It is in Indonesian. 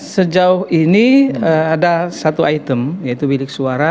sejauh ini ada satu item yaitu bilik suara